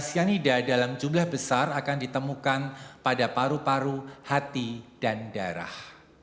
cyanida dalam jumlah besar akan ditemukan pada paru paru hati dan darah